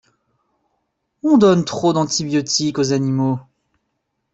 On donne trop d'antibiotiques aux animaux.